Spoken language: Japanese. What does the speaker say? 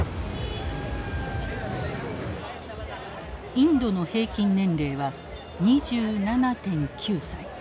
インドの平均年齢は２７．９歳。